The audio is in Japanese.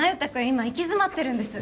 今行き詰まってるんです